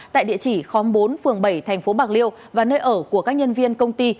tại địa chỉ khóm bốn phường bảy tp bạc liêu và nơi ở của các nhân viên công ty